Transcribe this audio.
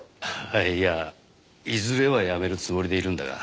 いやいずれはやめるつもりでいるんだが。